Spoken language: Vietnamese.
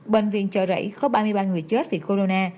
bệnh viện chợ rẫy có ba mươi ba người chết vì corona